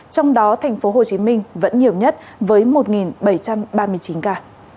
trong đó thành phố hồ chí minh vẫn nhiều nhất với một bảy trăm ba mươi chín ca